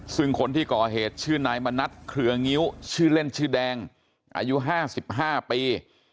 ซึ่งคนที่ก่อเหตุชื่อนายมณัฐเครืองิ้วชื่อเล่นชื่อแดงอายุ๕๕ปี